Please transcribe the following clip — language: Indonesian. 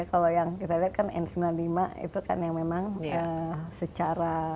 kalau yang kita lihat kan n sembilan puluh lima itu kan yang memang secara